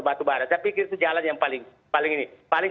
batu barat tapi itu jalan yang paling